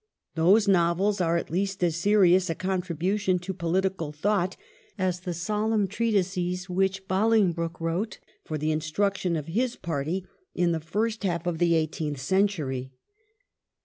Those novels are at least as serious a contribution to political thought as the solemn treatises which Bolingbroke wrote for the instruction of his party in the fii'st half of the eighteenth century.